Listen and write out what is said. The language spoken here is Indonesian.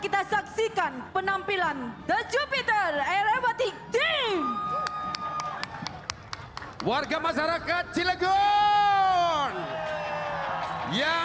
dan kemampuan terbuka